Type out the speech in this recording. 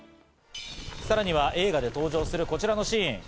さらには映画で登場するこちらのシーン。